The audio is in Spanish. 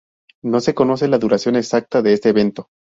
No se conoce la duración exacta de este evento.